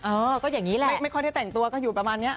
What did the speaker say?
เออก็อย่างนี้แหละไม่ค่อยได้แต่งตัวก็อยู่ประมาณนี้